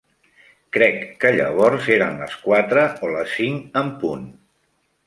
Crec que llavors eren les quatre o les cinc en punt.